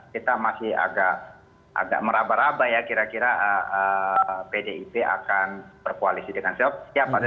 kita masih agak merabar rabar ya kira kira pdip akan berkoalisi dengan seluruh partai